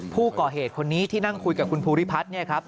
ผู้ก่อเหตุคนนี้ที่นั่งคุยกับคุณภูริพัฒน์เนี่ยครับ